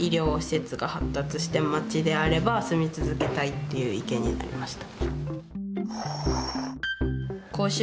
っていう意見になりました。